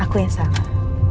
aku yang kemarin